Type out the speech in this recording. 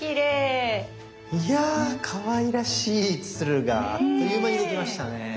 いやあかわいらしい鶴があっという間にできましたね。